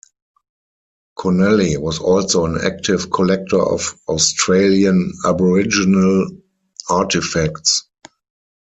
Connelly was also an active collector of Australian Aboriginal artefacts.